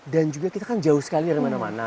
dan juga kita kan jauh sekali dari mana mana